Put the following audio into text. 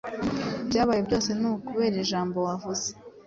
Ibyabaye byose ni kubera ijambo wavuze.